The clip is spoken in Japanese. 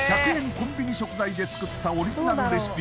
コンビニ食材で作ったオリジナルレシピ